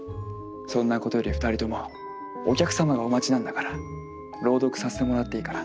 そんなことより２人ともお客様がお待ちなんだから朗読させてもらっていいかな。